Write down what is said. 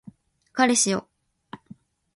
彼氏よ